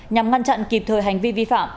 nhằm ngăn chặn kịp thời hành vi vi phạm